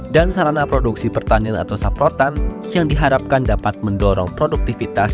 dan sarana produksi pertanian atau saprotan yang diharapkan dapat mendorong produktivitas